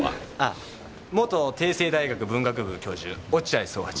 あ元帝政大学文学部教授落合惣八。